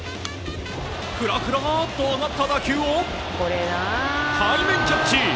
ふらふらっと上がった打球を背面キャッチ。